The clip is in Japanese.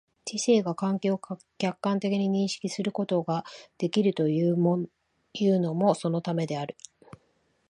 知性が環境を客観的に認識することができるというのもそのためであり、